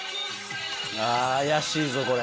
あー、怪しいぞ、これ。